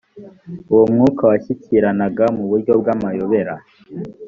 uwo mwuka washyikiranaga mu buryo bw’amayobera